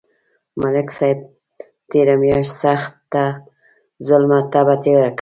ملک صاحب تېره میاشت سخته ظلمه تبه تېره کړه.